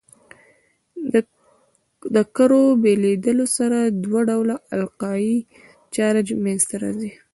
د کرو بېلېدو سره دوه ډوله القایي چارج منځ ته راځي.